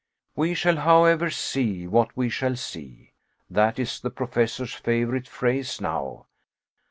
We shall, however, see what we shall see. That is the Professor's favorite phrase now.